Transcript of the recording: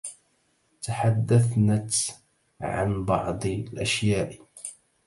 تحدثنة عن بعض الاشياء